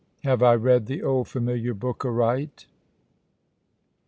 Have I read the old familiar book aright?"